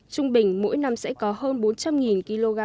trung bình mỗi năm sẽ có hơn bốn trăm linh kg